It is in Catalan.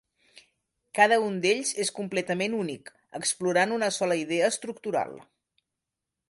Cada un d'ells és completament únic, explorant una sola idea estructural.